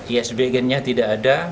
yes bagiannya tidak ada